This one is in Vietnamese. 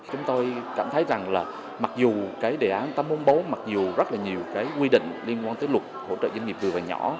chúng tôi cảm thấy rằng là mặc dù cái đề án tám trăm bốn mươi bốn mặc dù rất là nhiều cái quy định liên quan tới luật hỗ trợ doanh nghiệp vừa và nhỏ